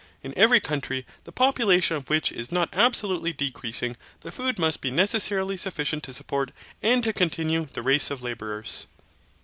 In every country, the population of which is not absolutely decreasing, the food must be necessarily sufficient to support, and to continue, the race of labourers.